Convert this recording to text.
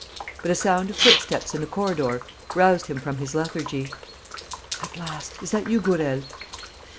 But a sound of footsteps in the corridor roused him from his lethargy. "At last, is that you, Gourel?"